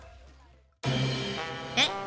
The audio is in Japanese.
えっ？